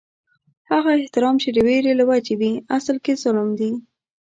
هغه احترام چې د وېرې له وجې وي، اصل کې ظلم دي